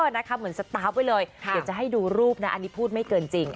เหมือนสตาร์ฟไว้เลยเดี๋ยวจะให้ดูรูปนะอันนี้พูดไม่เกินจริง